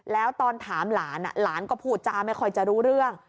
แล้วตอนถามหลานหลานก็พูดจาไม่ค่อยจะรู้เรื่อง